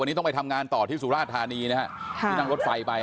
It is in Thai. วันนี้ต้องไปทำงานต่อที่สุราธานีนะฮะที่นั่งรถไฟไป